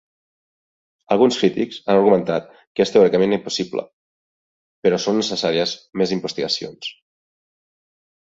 Alguns crítics han argumentat que és teòricament impossible, però són necessàries més investigacions.